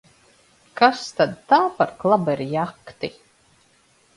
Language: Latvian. Kas tad tā par klaberjakti!